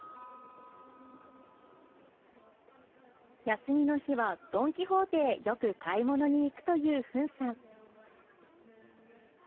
休みの日はドン・キホーテへよく買い物に行くというフンさん。